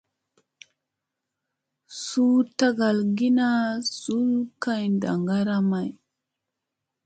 Suu tagal gi jaŋ zul kay ndaŋgara may.